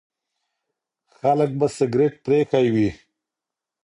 خلک به سګریټ پرېښی وي.